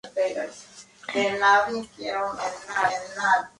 Se siente demasiado alterado para llevar a cabo su número.